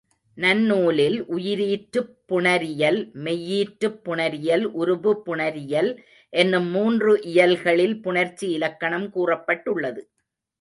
நன்னூலில் உயிரீற்றுப் புணரியல், மெய்யீற்றுப் புணரியல், உருபு புணரியல் என்னும் மூன்று இயல்களில் புணர்ச்சி இலக்கணம் கூறப்பட்டுள்ளது.